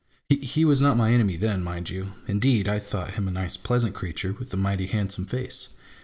He was not my enemy then, mind you : indeed, I thought him a nice, pleasant creature, with a mighty handsome face.